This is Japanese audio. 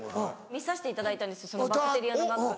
見させていただいたんですそのバクテリアのバッグ。